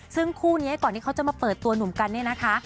ซึ่งคู่นี้ก่อนที่เขาจะมาเปิดตัวหนุ่มกันเนี่ยนะคะ